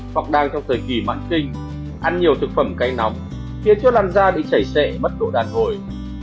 hoặc đang trong thời kỳ mặn kinh ăn nhiều thực phẩm cay nóng khiến cho đàn da bị chảy sẻ mất độ đàn hồi